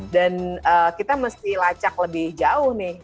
dan kita mesti lacak lebih jauh nih